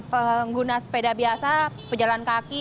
pengguna sepeda biasa pejalan kaki